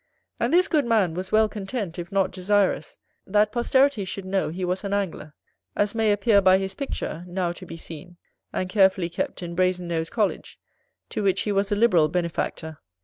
And this good man was well content, if not desirous, that posterity should know he was an Angler; as may appear by his picture, now to be seen, and carefully kept, in Brazen nose College, to which he was a liberal benefactor.